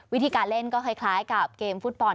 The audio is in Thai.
วิธีการเล่นก็คล้ายกับเกมฟุตบอล